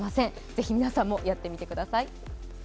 是非、皆さんもやってみてください。